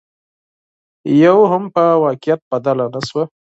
يوه هم په واقعيت بدله نشوه